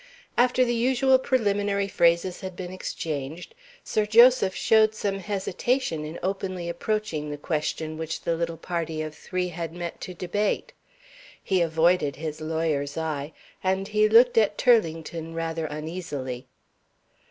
After the usual preliminary phrases had been exchanged, Sir Joseph showed some hesitation in openly approaching the question which the little party of three had met to debate. He avoided his lawyer's eye; and he looked at Turlington rather uneasily.